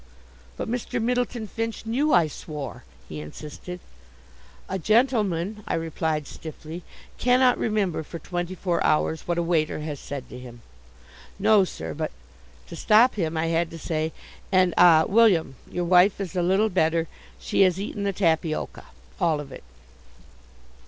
"But Mr. Myddleton Finch knew I swore," he insisted. "A gentleman," I replied, stiffly, "cannot remember for twenty four hours what a waiter has said to him." "No, sir, but " To stop him I had to say: "And, ah, William, your wife is a little better. She has eaten the tapioca all of it."